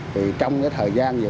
thì trong cái thời gian này